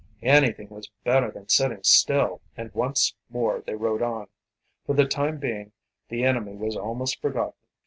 Anything was better than sitting still, and once more they rode on. For the time being the enemy was almost forgotten.